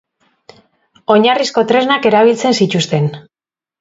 Oinarrizko tresnak erabiltzen zituzten.